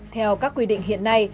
theo các quy định hiện nay